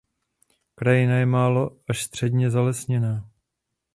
Krajina je málo až středně zalesněná.